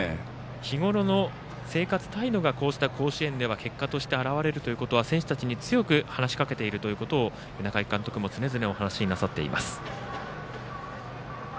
日ごろの生活態度がこうした甲子園では結果として現れるということは選手にも話していると中井監督も常々お話になさっています。